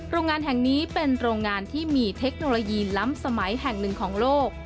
โรงงานแห่งนี้เป็นโรงงานที่มีเทคโนโลยีล้ำสมัยแห่งหนึ่งของโลก